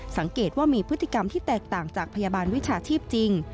สังเกตว่ามีพฤติกรรมที่แตกต่างจากพยาบาลวิชาชีพจริง